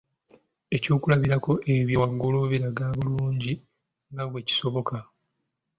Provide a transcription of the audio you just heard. Ebyokulabirako ebyo waggulu biraga bulungi nga bwe kisoboka